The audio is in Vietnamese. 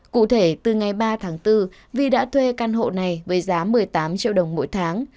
cụ thể từ ngày ba tháng bốn vi đã thuê căn hộ này với giá một mươi tám triệu đồng mỗi tháng